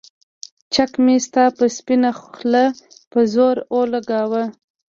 چک مې ستا پۀ سپينه خله پۀ زور اولګوو